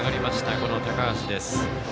この高橋です。